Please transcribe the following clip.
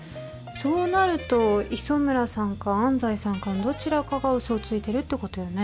そうなると磯村さんか安西さんかのどちらかが嘘をついてるってことよね。